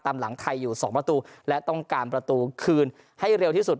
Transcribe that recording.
หลังไทยอยู่๒ประตูและต้องการประตูคืนให้เร็วที่สุด